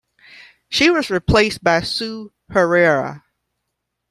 She was replaced by Sue Herera.